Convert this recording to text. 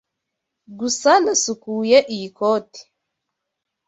Gusa nasukuye iyi koti.